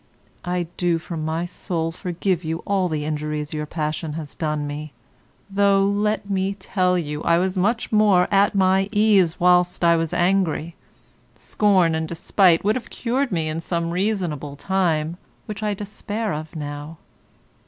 I do from my soul forgive you all the injuries your passion has done me, though, let me tell you, I was much more at my ease whilst I was angry. Scorn and despite would have cured me in some reasonable time, which I despair of now.